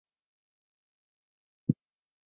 而他自幼说俄语并且因此自认为是俄罗斯人。